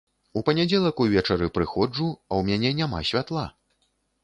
У панядзелак увечары прыходжу, а ў мяне няма святла.